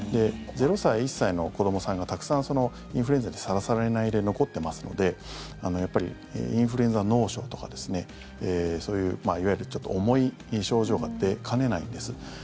０歳、１歳の子どもさんがたくさんインフルエンザにさらされないで残ってますのでやっぱりインフルエンザ脳症とかそういう、いわゆるちょっと重い症状が出かねないんです。